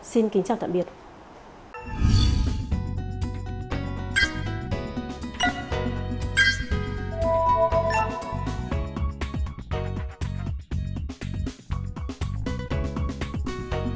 xin kính chào tạm biệt